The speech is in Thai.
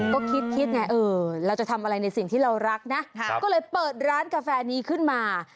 ก็คิดคิดไงเออเราจะทำอะไรในสิ่งที่เรารักนะก็เลยเปิดร้านกาแฟนี้ขึ้นมา